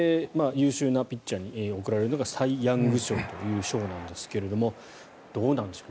優秀なピッチャーに贈られるのがサイ・ヤング賞という賞なんですけれどもどうなんでしょう。